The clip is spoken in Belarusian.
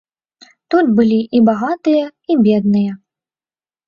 Тут былі і багатыя, і бедныя.